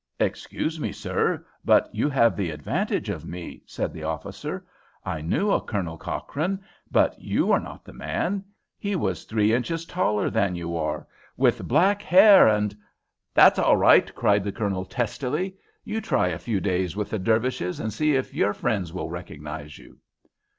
"Excuse me, sir, but you have the advantage of me," said the officer. "I knew a Colonel Cochrane, but you are not the man. He was three inches taller than you, with black hair and " "That's all right," cried the Colonel, testily. "You try a few days with the Dervishes, and see if your friends will recognise you!"